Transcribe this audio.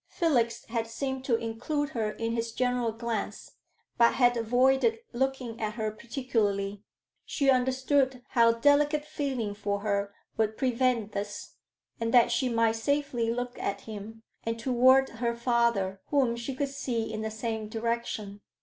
Felix had seemed to include her in his general glance, but had avoided looking at her particularly. She understood how delicate feeling for her would prevent this, and that she might safely look at him, and toward her father, whom she could see in the same direction.